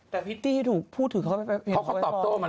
แต่พี่ตี้ถูกพูดถึงเขาไหม